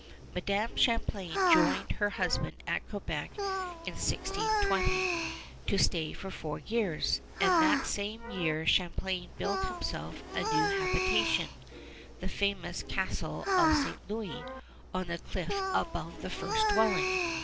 Madam Champlain joined her husband at Quebec, in 1620, to stay for four years, and that same year Champlain built himself a new habitation the famous Castle of St. Louis on the cliff above the first dwelling.